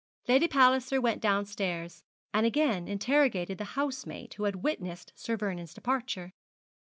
Lady Palliser went downstairs, and again interrogated the housemaid who had witnessed Sir Vernou's departure.